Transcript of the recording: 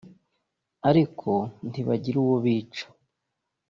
ariko ntibagira uwo bica